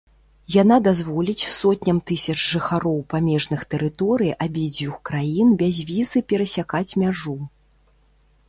Яна дазволіць сотням тысяч жыхароў памежных тэрыторый абедзвюх краін без візы перасякаць мяжу.